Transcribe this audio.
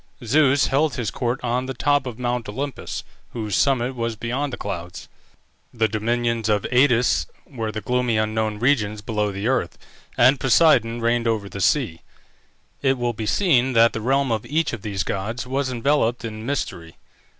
Zeus held his court on the top of Mount Olympus, whose summit was beyond the clouds; the dominions of Aïdes were the gloomy unknown regions below the earth; and Poseidon reigned over the sea. It will be seen that the realm of each of these gods was enveloped in mystery.